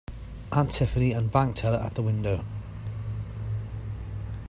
Aunt Tiffany and bank teller at the window.